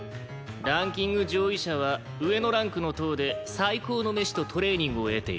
ランキング上位者は上のランクの棟で最高の飯とトレーニングを得ている。